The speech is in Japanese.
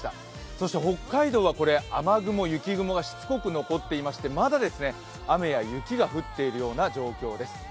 そして北海道は雨雲、雪雲がしつこく残っていましてまだ、雨や雪が降っているような状況です。